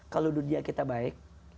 kalau dunia kita baik